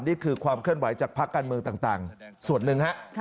นี่คือความเคลื่อนไหวจากภาคการเมืองต่างส่วนหนึ่งฮะ